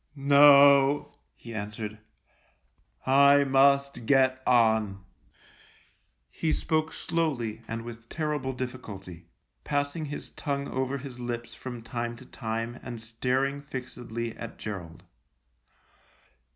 " No," he answered ;" I must get on." He spoke slowly and with terrible difficulty, passing his tongue over his lips from time to time and staring fixedly at Gerald.